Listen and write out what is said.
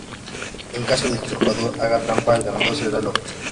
En caso de que el jugador haga trampa el ganador será el otro.